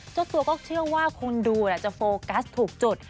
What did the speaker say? เจ้าตัวก็เชื่อว่าคนดูจะโฟกัสถูกจุด